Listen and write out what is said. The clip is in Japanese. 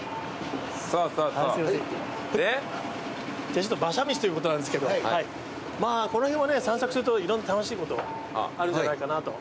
じゃあ馬車道ということなんですけどこの辺はね散策するといろんな楽しいことあるんじゃないかなと。